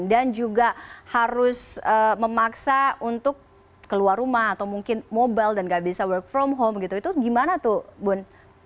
dan juga harus memaksa untuk keluar rumah atau mungkin mobile dan nggak bisa work from home gitu itu gimana tuh bun